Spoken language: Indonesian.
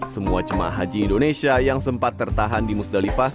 semua jemaah haji indonesia yang sempat tertahan di musdalifah